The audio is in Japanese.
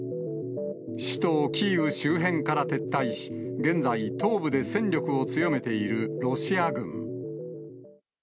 首都キーウ周辺から撤退し、現在、東部で戦力を強めているロシア軍。